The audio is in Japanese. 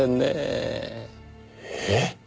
えっ？